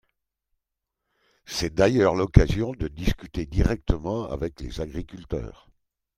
C’est d’ailleurs l’occasion de discuter directement avec les agriculteurs.